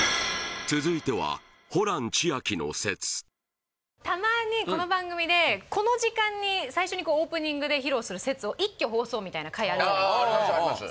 続いてはたまにこの番組でこの時間に最初にオープニングで披露する説を一挙放送みたいな回あるじゃないですか？